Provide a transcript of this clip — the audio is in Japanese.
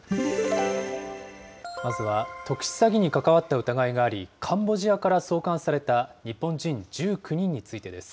まずは、特殊詐欺に関わった疑いがあり、カンボジアから送還された日本人１９人についてです。